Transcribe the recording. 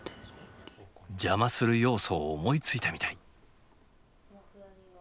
邪魔する要素を思いついたみたい。